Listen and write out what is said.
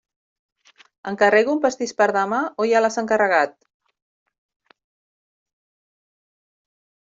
Encarrego un pastís per demà o ja l'has encarregat?